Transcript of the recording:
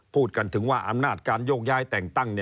พูดกันถึงว่าอำนาจการโยกย้ายแต่งตั้ง